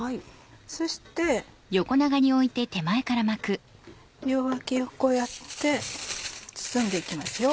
そして両脇をこうやって包んで行きますよ。